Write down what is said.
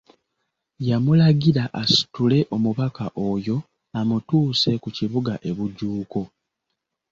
Yamulagira asitule omubaka oyo amutuuse ku Kibuga e Bujuuko.